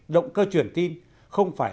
động cơ truyền tin không phải